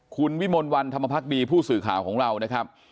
คุณวิมลวันธรรมพักดีผู้สื่อข่าวของเรานะครับ